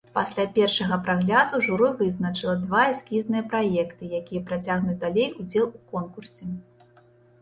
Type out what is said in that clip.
Пасля першага прагляду журы вызначыла два эскізныя праекты, якія працягнуць далей удзел у конкурсе.